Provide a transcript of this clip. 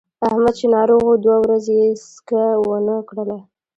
احمد چې ناروغ و دوه ورځې یې څکه ونه کړله.